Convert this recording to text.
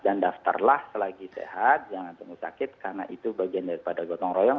dan daftarlah selagi sehat jangan tunggu sakit karena itu bagian daripada gotong royong